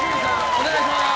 お願いします。